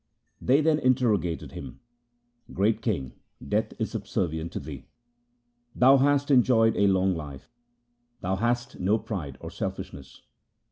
They then interrogated him :' Great king, death is subservient to thee. Thou hast enjoyed a long life. Thou hast no pride or selfishness.